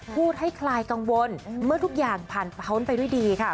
พูดให้คลายกังวลเมื่อทุกอย่างผ่านพ้นไปด้วยดีค่ะ